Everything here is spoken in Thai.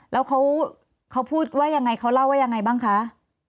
แล้วเขาพูดว่ายังไงเขาเล่าว่ายังไงบ้างคะ